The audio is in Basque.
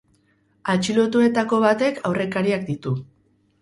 Atxilotuetako batek aurrekariak ditu.